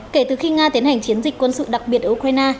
kể từ khi nga tiến hành chiến dịch quân sự đặc biệt ở ukraine